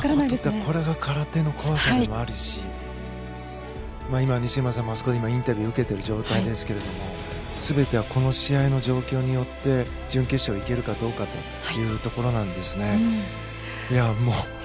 これが空手の怖さでもあるし今、西村さんもあそこでインタビューを受けている状況ですが全てはこの状況によって準決勝行けるかどうかというところなんですね。